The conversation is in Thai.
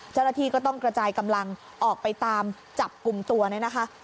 เจ้าหน้าที่ก็ต้องกระจายกำลังออกไปตามจับกลุ่มตัวเนี่ยนะคะ